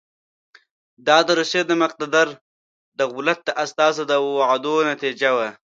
دا د روسیې د مقتدر دولت د استازو د وعدو نتیجه وه.